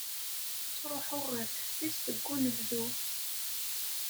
Ttruḥuɣ ɣer teftist deg unebdu.